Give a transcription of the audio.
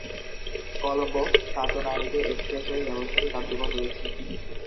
কলম্বো-কাতুনায়েকে expressway ব্যবস্থাটি কার্যকর রয়েছে।